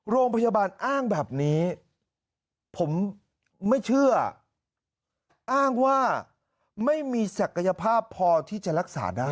โรงพยาบาลอ้างแบบนี้ผมไม่เชื่ออ้างว่าไม่มีศักยภาพพอที่จะรักษาได้